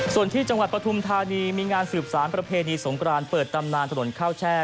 ส่วนที่จังหวัดปฐุมธานีมีงานสืบสารประเพณีสงกรานเปิดตำนานถนนข้าวแช่